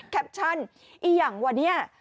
แคปชั่นอีห์อย่างว่าเนี่ย